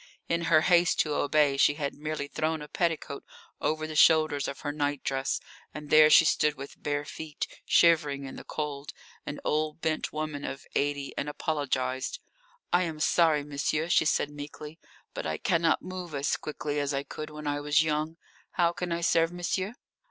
In her haste to obey she had merely thrown a petticoat over the shoulders of her nightdress, and there she stood with bare feet, shivering in the cold, an old bent woman of eighty, and apologised. "I am sorry, monsieur," she said meekly. "But I cannot move as quickly as I could when I was young. How can I serve monsieur?"